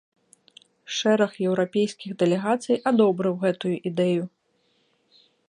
Шэраг еўрапейскіх дэлегацый адобрыў гэтую ідэю.